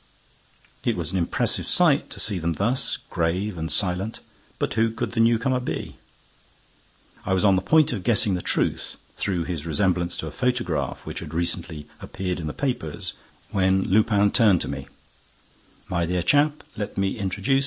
It was an impressive sight to see them thus, grave and silent. But who could the newcomer be? I was on the point of guessing the truth, through his resemblance to a photograph which had recently appeared in the papers, when Lupin turned to me: "My dear chap, let me introduce M.